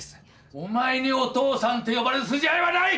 お前にお父さんと呼ばれる筋合いはない！